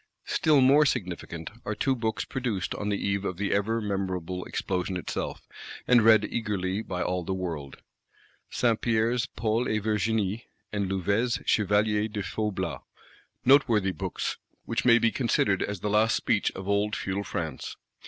Still more significant are two Books produced on the eve of the ever memorable Explosion itself, and read eagerly by all the world: Saint Pierre's Paul et Virginie, and Louvet's Chevalier de Faublas. Noteworthy Books; which may be considered as the last speech of old Feudal France.